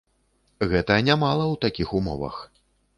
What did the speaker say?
Гэта нямала ў такіх умовах.